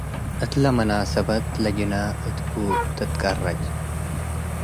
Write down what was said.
እትለ መናሰበት፣ ለጅነ እትቡ ትትቀረጭ ።